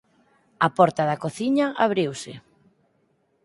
A porta da cociña abriuse.